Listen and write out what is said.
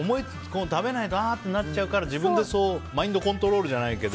食べないとああってなっちゃうからマインドコントロールじゃないけど。